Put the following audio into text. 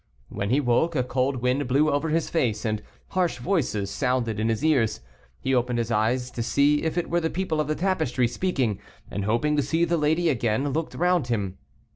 When he woke, a cold wind blew over his face, and harsh voices sounded in his ears; he opened his eyes to see if it were the people of the tapestry speaking, and hoping to see the lady again, looked round him.